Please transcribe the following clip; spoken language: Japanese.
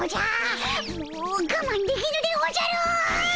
もうがまんできぬでおじゃる！